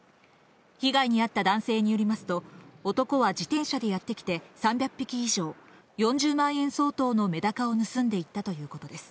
被害に遭った男性によりますと、男は自転車でやって来て３００匹以上、４０万円相当のメダカを盗んでいったということです。